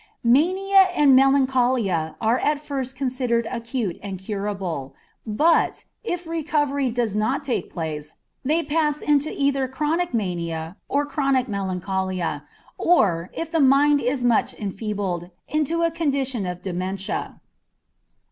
Mania and melancholia are at first considered acute and curable, but, if recovery does not take place, they pass into either chronic mania or chronic melancholia, or, if the mind is much enfeebled, into a condition of dementia.